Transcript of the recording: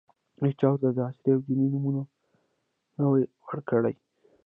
هېچا ورته د عصري او دیني نوم نه ؤ ورکړی.